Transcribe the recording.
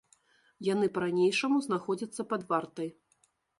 Яны па-ранейшаму знаходзяцца пад вартай.